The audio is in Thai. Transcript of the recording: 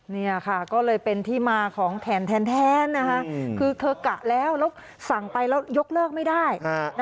นี่ค่ะก็เลยเป็นที่มาของแทนนะคะคือเธอกะแล้วแล้วสั่งไปแล้วยกเลิกไม่ได้